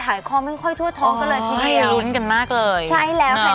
หายคอมงค่อยทั่วท้องก็เลยทีเดียว